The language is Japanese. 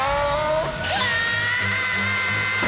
うわ！